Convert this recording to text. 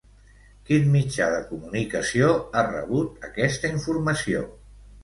Quin mitjà de comunicació ha rebut aquesta informació?